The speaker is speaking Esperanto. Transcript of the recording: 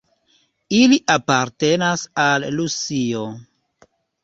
Ili apartenas al Rusio.